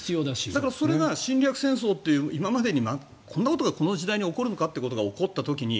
だからそれが侵略戦争という今までにこんなことがこの時代に起こるのかってことが起こった時に